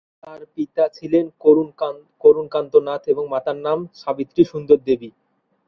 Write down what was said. তার পিতা ছিলেন করুন কান্ত নাথ এবং মাতার নাম সাবিত্রী সুন্দরী দেবী।